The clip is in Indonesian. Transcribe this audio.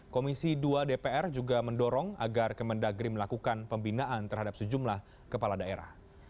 komisi dua dpr juga mendorong agar kemendagri melakukan pembinaan terhadap sejumlah kepala daerah